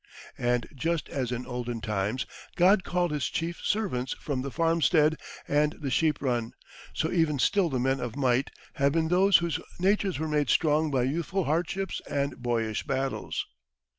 And just as in olden times God called His chief servants from the farmstead and the sheep run, so even still the men of might have been those whose natures were made strong by youthful hardship and boyish battles.